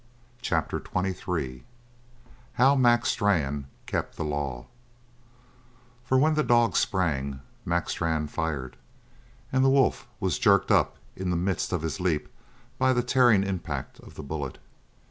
CHAPTER XXIII HOW MAC STRANN KEPT THE LAW For when the dog sprang, Mac Strann fired, and the wolf was jerked up in the midst of his leap by the tearing impact of the bullet.